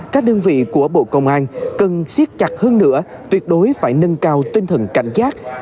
các đơn vị của bộ công an cần siết chặt hơn nữa tuyệt đối phải nâng cao tinh thần cảnh giác